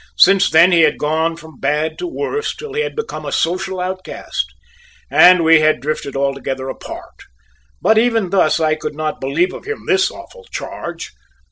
Since then he had gone from bad to worse till he had become a social outcast, and we had drifted altogether apart, but even thus I could not believe of him this awful charge.